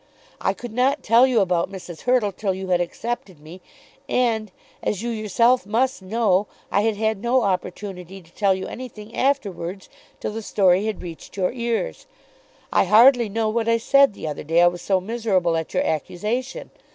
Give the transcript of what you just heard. I could not tell you about Mrs. Hurtle till you had accepted me, and, as you yourself must know, I had had no opportunity to tell you anything afterwards till the story had reached your ears. I hardly know what I said the other day, I was so miserable at your accusation.